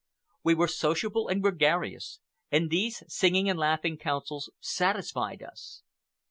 We were sociable and gregarious, and these singing and laughing councils satisfied us.